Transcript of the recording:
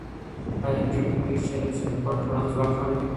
ایا نجونې پوهېږي چې علم شریکول ټولنه ځواکمنوي؟